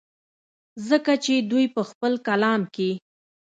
ځکه چې دوي پۀ خپل کلام کښې